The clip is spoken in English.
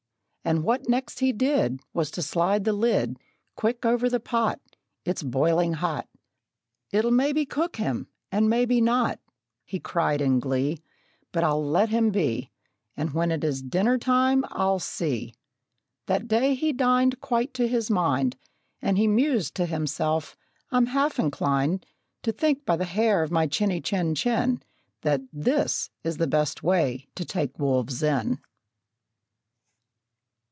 And what next he did Was to slide the lid Quick over the pot; "It's boiling hot It'll maybe cook him, and maybe not," He cried in glee, "But I'll let him be, And when it is dinner time I'll see!" That day he dined quite to his mind; And he mused to himself, "I'm half inclined To think, by the hair of my chinny, chin, chin, That this is the best way to take wolves in!"